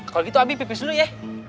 kalau gitu abi pipis dulu ya